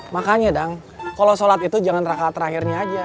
makanya dang kalau sholat itu jangan rakat terakhirnya aja